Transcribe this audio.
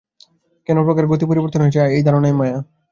কোন প্রকার গতি বা পরিবর্তন আছে, আমাদের এই ধারণাই মায়া।